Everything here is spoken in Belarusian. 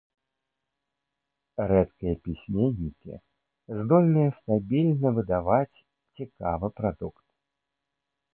Рэдкія пісьменнікі здольныя стабільна выдаваць цікавы прадукт.